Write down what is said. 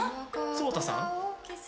「草太さん」？